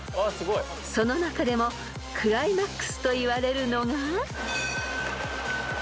［その中でもクライマックスといわれるのが］